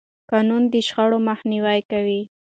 قانون د شخړو مخنیوی کوي.